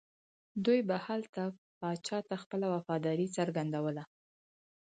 دوی به هلته پاچا ته خپله وفاداري څرګندوله.